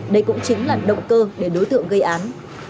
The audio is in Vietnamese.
đây cũng chính là động cơ để đối tượng gây án